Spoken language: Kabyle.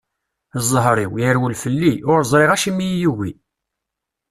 Zher-iw, irewwel fell-i, ur ẓriɣ acimi i iyi-yugi.